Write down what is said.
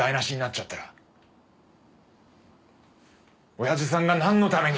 おやじさんがなんのために。